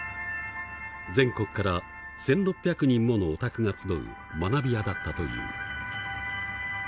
全国から１，６００人ものオタクが集う学びやだったという。